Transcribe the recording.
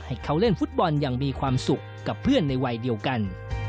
ให้เขาเล่นฟุตบอลอย่างมีความสุขกับเพื่อนในวัยเดียวกัน